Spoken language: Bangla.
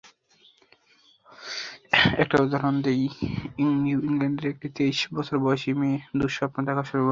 একটা উদাহরণ দিই-নিউ ইংল্যাণ্ডের একটি তেইশ বছর বয়েসী মেয়ে দুঃস্বপ্ন দেখা শুরু করল।